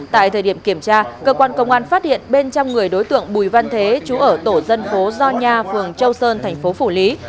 tại thời điểm kiểm tra cơ quan công an phát hiện bên trong người đối tượng bùi văn thế chú ở tổ dân phố do nha phường châu sơn thành phố phủ lý